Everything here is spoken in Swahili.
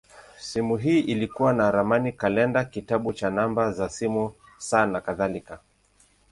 Simu hii ilikuwa na ramani, kalenda, kitabu cha namba za simu, saa, nakadhalika.